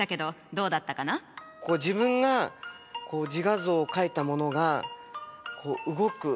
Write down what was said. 自分が自画像を描いたものが動く。